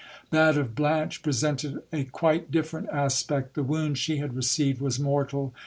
That of Blanche presented a quite different aspect. The wound she had received was mortal.